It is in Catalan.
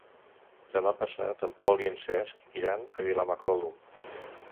Demà passat en Pol i en Cesc iran a Vilamacolum.